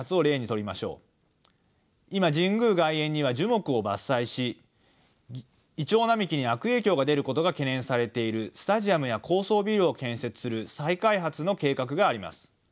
今神宮外苑には樹木を伐採し銀杏並木に悪影響が出ることが懸念されているスタジアムや高層ビルを建設する再開発の計画があります。